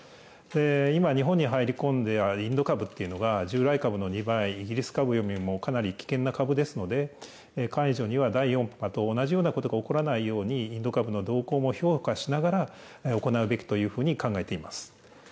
今、日本に入り込んでいるインド株っていうのが、従来株の２倍、イギリス株よりもかなり危険な株ですので、解除には第４波と同じようなことが起こらないように、インド株の動向も評価しながら行うべきだというふうに考えています。